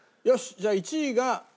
じゃあ１位が。